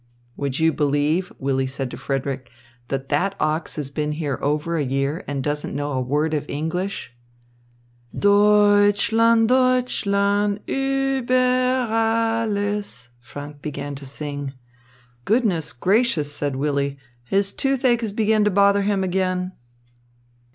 "Would you believe," Willy said to Frederick, "that that ox has been here over a year and doesn't know a word of English?" "'Deutschland, Deutschland über alles!'" Franck began to sing. "Goodness gracious!" said Willy. "His toothache has begun to bother him again."